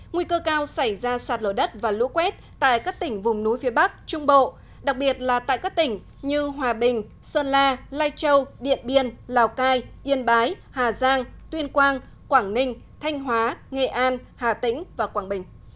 nguy cơ cao xảy ra sạt lở đất và lũ quét tại các tỉnh vùng núi phía bắc trung bộ đặc biệt là tại các tỉnh như hòa bình sơn la lai châu điện biên lào cai yên bái hà giang tuyên quang quảng ninh thanh hóa nghệ an hà tĩnh và quảng bình